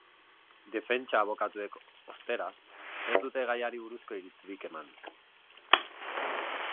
Defentsa abokatuek, ostera, ez dute gaiari buruzko iritzirik eman.